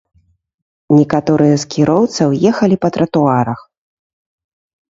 Некаторыя з кіроўцаў ехалі па тратуарах.